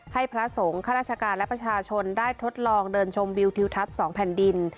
พระสงฆ์ข้าราชการและประชาชนได้ทดลองเดินชมวิวทิวทัศน์๒แผ่นดิน